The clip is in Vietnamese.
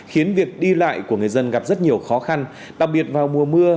khiến việc đi lại của người dân gặp rất nhiều khó khăn đặc biệt vào mùa mưa